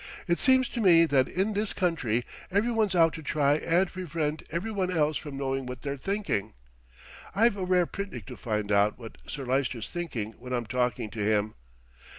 "It seems to me that in this country every one's out to try and prevent every one else from knowing what they're thinking. I've a rare picnic to find out what Sir Lyster's thinking when I'm talking to him."